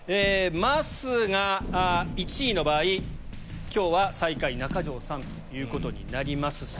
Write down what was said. まっすーが１位の場合今日は最下位中条さんということになります。